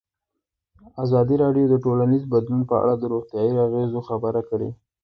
ازادي راډیو د ټولنیز بدلون په اړه د روغتیایي اغېزو خبره کړې.